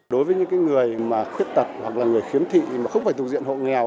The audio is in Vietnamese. đối với những người khuyết tật hoặc là người khiếm thị thì không phải thuộc diện hộ nghèo